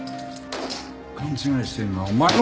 勘違いしてるのはお前の！